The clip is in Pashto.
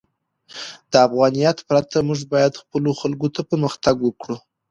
د افغانیت پرته، موږ باید خپلو خلکو ته پرمختګ ورکړو.